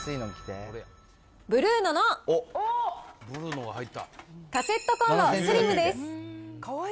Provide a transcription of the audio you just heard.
ブルーノのカセットコンロスリムです。